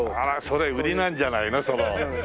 それ売りなんじゃないの？